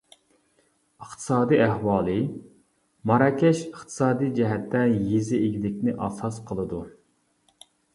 ئىقتىسادىي ئەھۋالى ماراكەش ئىقتىسادىي جەھەتتە يېزا ئىگىلىكىنى ئاساس قىلىدۇ.